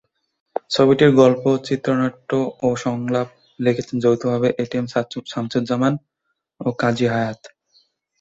ছবিটির গল্প, চিত্রনাট্য ও সংলাপ লিখেছেন যৌথভাবে এটিএম শামসুজ্জামান ও কাজী হায়াৎ।